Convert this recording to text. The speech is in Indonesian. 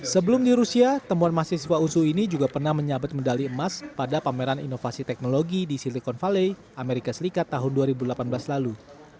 sebelum di rusia temuan mahasiswa usu ini juga pernah menyabet medali emas pada pameran inovasi teknologi di silicon valley amerika serikat tahun dua ribu delapan belas lalu